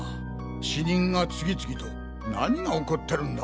死人が次々と何が起こってるんだ？